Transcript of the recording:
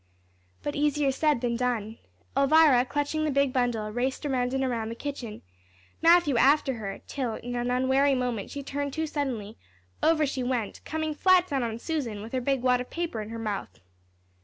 But easier said than done. Elvira, clutching the big bundle, raced around and around the kitchen, Matthew after her, till, in an unwary moment, she turned too suddenly; over she went, coming flat down on Susan, with her big wad of paper in her mouth.